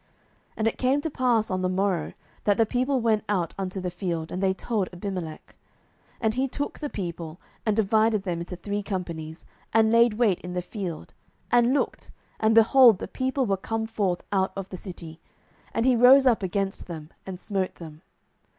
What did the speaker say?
07:009:042 And it came to pass on the morrow, that the people went out into the field; and they told Abimelech. 07:009:043 And he took the people, and divided them into three companies, and laid wait in the field, and looked, and, behold, the people were come forth out of the city; and he rose up against them, and smote them.